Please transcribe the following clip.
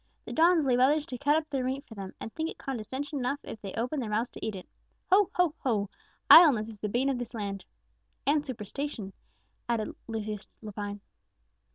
The dons leave others to cut up their meat for them, and think it condescension enough if they open their mouths to eat it! Ho, ho, ho! Idleness is the bane of this land." "And superstition," added Lucius Lepine.